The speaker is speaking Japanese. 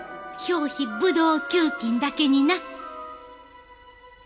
表皮ブドウ球菌だけにな。